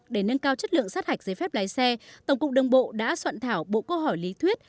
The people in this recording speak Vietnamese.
để nâng cao chất lượng sát hạch giấy phép lái xe tổng cục đường bộ đã soạn thảo bộ câu hỏi lý thuyết